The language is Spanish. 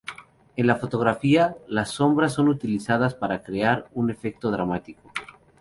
En la fotografía, las sombras son utilizadas para crear un efecto dramático.